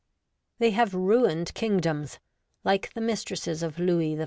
They have ruined kingdoms, like the mistresses of Louis XIV.